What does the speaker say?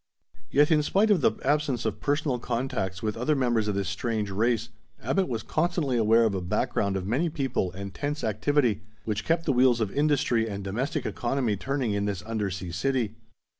Yet, in spite of the absence of personal contacts with other members of this strange race, Abbot was constantly aware of a background of many people and tense activity, which kept the wheels of industry and domestic economy turning in this undersea city.